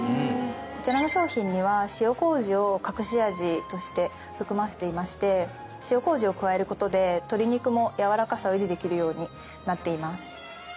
こちらの商品には塩麹を隠し味として含ませていまして塩麹を加える事で鶏肉もやわらかさを維持できるようになっています。